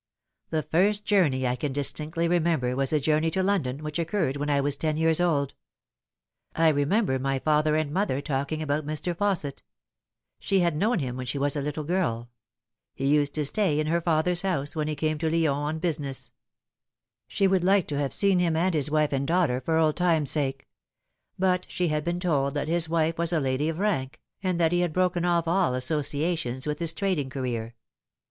The first journey I can distinctly remember was a journey to London, which occurred when I was ten years old. I remember my father and mother talking about Mr. Fausset. She had known him when she was a little girl. He used to stay in her father's house, when he came to Lyons on business. She would like to have seen him and his wife and daughter, for old times' sake ; but she had been told that his wife was a lady of rank, and that he had broken off all associations with his trading career.